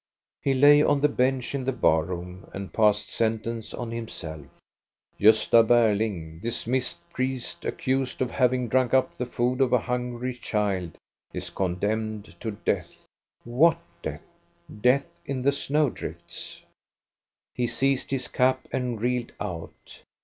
He lay on the bench in the bar room and passed sentence on himself: Gosta Berling, dismissed priest, accused of having drunk up the food of a hungry child, is condemned to death. What death? Death in the snow drifts." He seized his cap and reeled out.